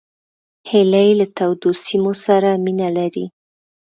هیلۍ له تودو سیمو سره مینه لري